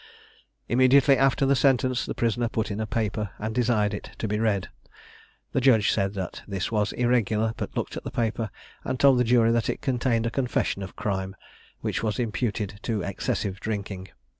Immediately after the sentence, the prisoner put in a paper, and desired it to be read. The judge said that this was irregular, but looked at the paper, and told the jury that it contained a confession of crime, which was imputed to excessive drinking.